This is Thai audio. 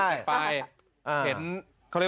อ๋อนี่อาศัยจัดพี่เขาได้